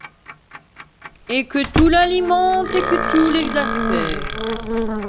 Et que tout l'alimente et que tout l'exaspère.